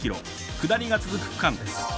下りが続く区間です。